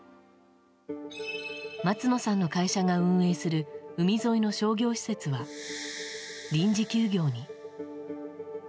松野さんの会社が運営する海沿いの商業施設が臨時休業に。